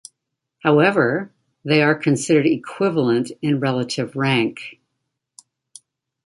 However, they are considered "equivalent" in relative rank.